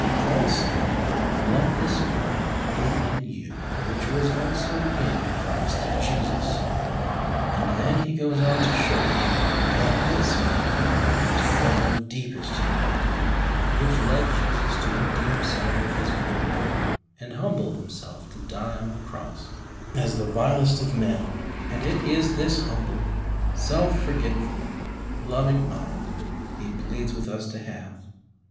Paul said :" Let this mind be in you which was also in Christ Jesus," and then he goes on to show us that this mind is one of deepest humility, which led Jesus to empty Himself of His glory and humble Himself to die on the Cross as the vilest of men, and it is this humble, self forgetful, loving mind he pleads with us to have.